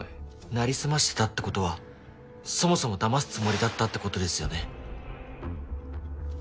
なりすましてたってことはそもそも騙すつもりだったってことですよね。